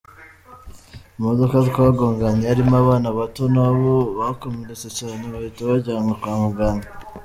Imodoka twagonganye yarimo abana bato na bo bakomeretse cyane bahita bajyanwa kwa muganga.